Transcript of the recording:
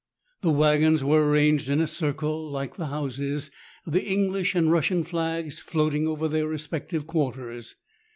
The waggons were arranged in a circle like the houses, the English and Russian flags floating over their respective quarters.